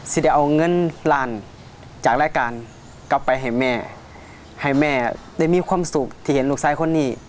จะเอาเงินหลานจากรายการกลับไปให้แม่ให้แม่ได้มีความสุขที่เห็นลูกชายคนนี้